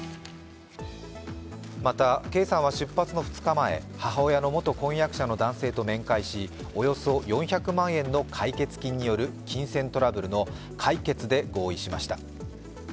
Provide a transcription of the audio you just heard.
また、圭さんは出発の２日前、母親の元婚約者の男性と面会し、およそ４００万円の解決金による金銭トラブルの解決で合意しました。